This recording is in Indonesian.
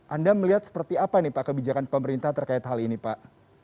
anda melihat seperti apa nih pak kebijakan pemerintah terkait hal ini pak